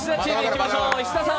石田さん